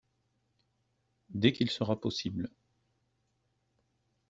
Dès qu’il sera possible.